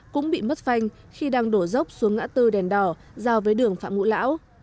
cũng bị mất phanh khi đang đổ dốc xuống ngã tư đèn đỏ giao với đường phạm ngũ lão